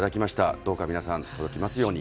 どうか皆さん届きますように。